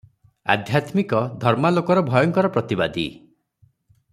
ଆଧ୍ୟାତ୍ମିକ ଧର୍ମାଲୋକର ଭୟଙ୍କର ପ୍ରତିବାଦୀ ।